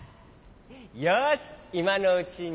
よしいまのうちに。